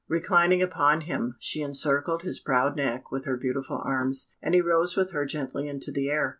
Reclining upon him, she encircled his proud neck with her beautiful arms, and he rose with her gently into the air.